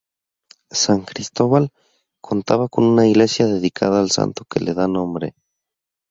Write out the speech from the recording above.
San Cristóbal contaba con una iglesia dedicada al santo que le da nombre.